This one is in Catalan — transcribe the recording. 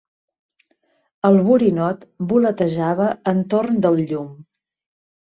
El borinot voletejava entorn del llum.